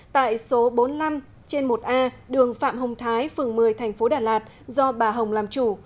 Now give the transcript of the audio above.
tại số bốn mươi năm trên một a đường phạm hồng thái phường một mươi tp đà lạt do bà hồng làm chủ